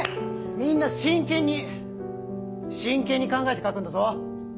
みんな真剣に真剣に考えて書くんだぞ。